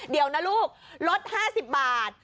เดี๋ยวนะลูกลด๕๐บาท